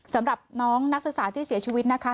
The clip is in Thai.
สำหรับน้องนักศึกษาที่เสียชีวิตนะคะ